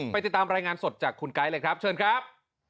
ติดตามรายงานสดจากคุณไกด์เลยครับเชิญครับ